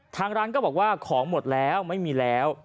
ทางร้านก็บอกว่าของหมดแล้วไม่มีแล้ว